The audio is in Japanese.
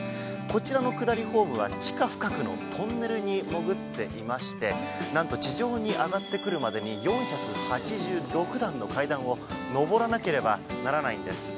こちらの下りホームは地下深くのトンネルに潜っていまして何と地上に上がってくるまでに４８６段の階段を上らなければならないんです。